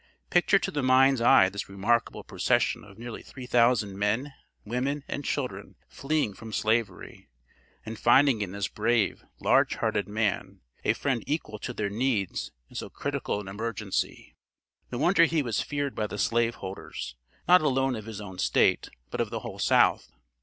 Picture to the mind's eye this remarkable procession of nearly three thousand men, women and children fleeing from Slavery, and finding in this brave, large hearted man, a friend equal to their needs in so critical an emergency! No wonder he was feared by the slave holders, not alone of his own State, but of the whole South.